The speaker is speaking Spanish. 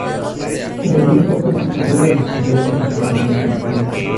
La mayor parte de su carrera discurrió en los Orlando Magic.